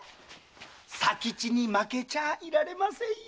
佐吉に負けちゃいられませんよ！